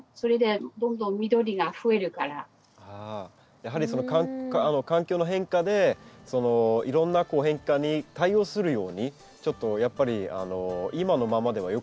やはりその環境の変化でいろんな変化に対応するようにちょっとやっぱり今のままではよくないっていうことですね。